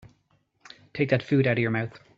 Take that food out of your mouth.